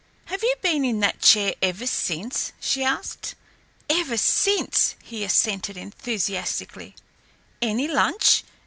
"Have you been in that chair ever since?" she asked. "Ever since," he assented enthusiastically. "Any lunch?"